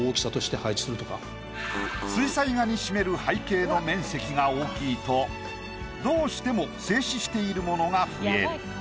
水彩画に占める背景の面積が大きいとどうしても静止しているものが増える。